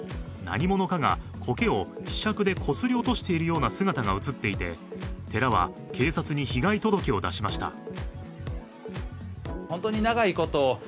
何者かがこけをひしゃくでこすり落としているような姿が映っていて寺は警察に被害届を出しました。